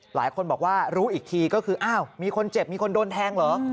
หลายคนบอกว่ารู้อีกทีก็คืออ้าวมีคนเจ็บมีคนโดนแทงเหรอ